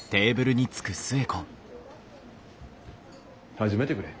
始めてくれ。